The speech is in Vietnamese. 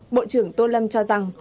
bộ trưởng tô lâm cho rằng